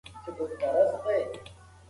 اولاد باید احسان هېر نه کړي.